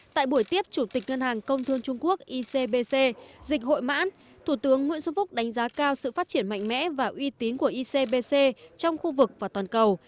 tại buổi tiếp chủ tịch ngân hàng công thương trung quốc icbc dịch hội mãn thủ tướng nguyễn xuân phúc đánh giá cao sự phát triển mạnh mẽ và uy tín của icbc trong khu vực và toàn cầu